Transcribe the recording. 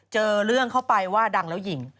เจอเรื่องเข้าไปว่าดังแล้วหญิง